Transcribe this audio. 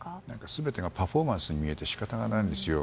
全てがパフォーマンスに見えて仕方がないんですよ。